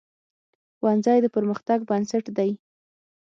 ښوونځی د پرمختګ بنسټ دی